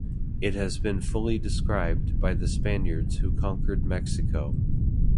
It has been fully described by the Spaniards who conquered Mexico.